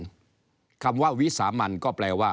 ก็จะมาจับทำเป็นพรบงบประมาณ